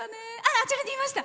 あちらにいました！